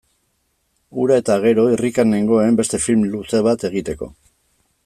Hura eta gero irrikan nengoen beste film luze bat egiteko.